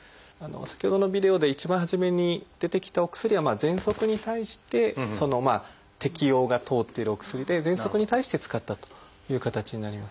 先ほどのビデオで一番初めに出てきたお薬はぜんそくに対して適応が通っているお薬でぜんそくに対して使ったという形になります。